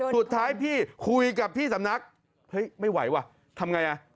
สุดท้ายพี่คุยกับพี่สำนักไม่ไหววะทำอย่างไร